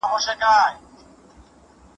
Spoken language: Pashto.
همداسي بائن صغری طلاق دی.